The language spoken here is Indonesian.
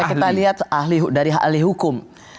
itu bisa kita lihat dari ahli hukum